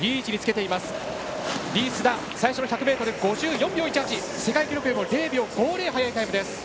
リース・ダン、最初の１００ｍ５４秒１８．世界記録よりも０秒５０速いタイム。